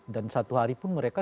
dan satu hari pun mereka